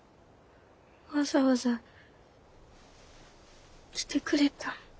わざわざ来てくれたん？